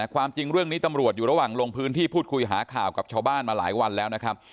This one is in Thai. ความจริงเรื่องนี้ตำรวจอยู่ระหว่างลงพื้นที่พูดคุยหาข่าวกับชาวบ้านมาหลายวันแล้วนะครับ